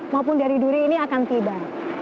maupun dari duri ini akan tiba